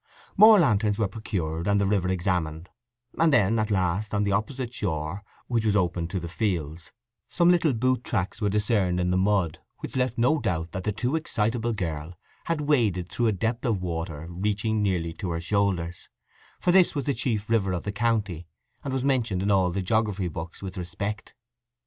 More lanterns were procured, and the river examined; and then, at last, on the opposite shore, which was open to the fields, some little boot tracks were discerned in the mud, which left no doubt that the too excitable girl had waded through a depth of water reaching nearly to her shoulders—for this was the chief river of the county, and was mentioned in all the geography books with respect.